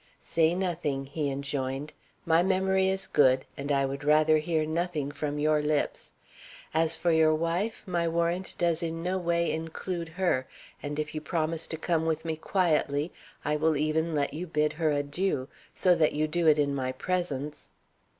"Say nothing," he enjoined. "My memory is good, and I would rather hear nothing from your lips. As for your wife, my warrant does in no way include her; and if you promise to come with me quietly, I will even let you bid her adieu, so that you do it in my presence."